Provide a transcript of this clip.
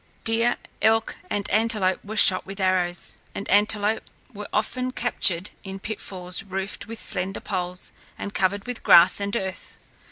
Deer, elk, and antelope were shot with arrows, and antelope were often captured in pitfalls roofed with slender poles and covered with grass and earth.